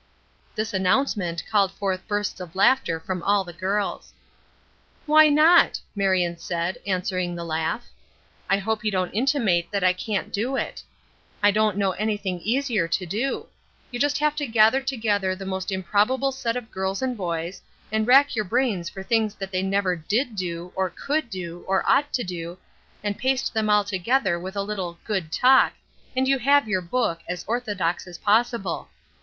This announcement called forth bursts of laughter from all the girls. "Why not?" Marion said, answering the laugh. "I hope you don't intimate that I can't do it. I don't know anything easier to do. You just have to gather together the most improbable set of girls and boys, and rack your brains for things that they never did do, or could do, or ought to do, and paste them all together with a little 'good talk,' and you have your book, as orthodox as possible.